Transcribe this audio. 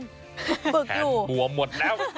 แทนบัวหมดแล้ว